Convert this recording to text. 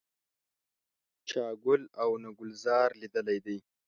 چا ګل او نه ګلزار لیدلی دی.